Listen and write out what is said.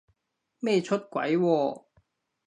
咩出軌喎？